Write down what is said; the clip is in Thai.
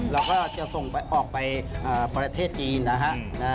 แล้วก็จะส่งออกไปประเทศจีนนะครับ